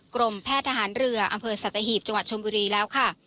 กรมแพทย์ทหารเรืออำเภอสัตหีบจังหวัดชมบุรีแล้วค่ะ